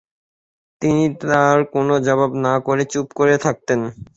তিনি তার কোনো জবাব না করে চুপ করে থাকতেন।